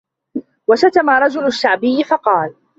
وَشَتَمَ رَجُلٌ الشَّعْبِيَّ فَقَالَ